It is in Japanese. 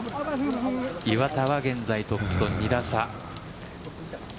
岩田は現在トップと２打差。